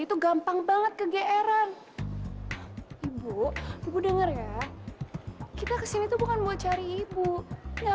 itu gampang banget kegeeran ibu ibu dengar ya kita kesini tuh bukan mau cari ibu ya